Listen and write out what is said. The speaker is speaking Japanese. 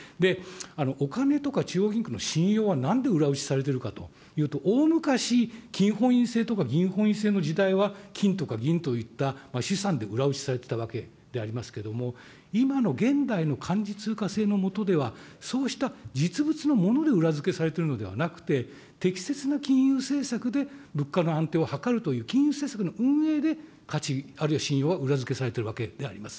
お金とか中央銀行の信用はなんで裏打ちされているかというと、大昔、金本位制とか銀本位制の時代は金とか銀といった資産で裏打ちされていたわけでありますけれども、今の現代の管理通貨制のもとではそうした実物のもので裏付けされているのではなくて、適切な金融政策で物価の安定を図るという、金融政策の運営で価値、あるいは信用は裏付けされているわけであります。